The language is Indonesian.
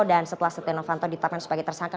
dan setelah setia novanto ditangani sebagai tersangka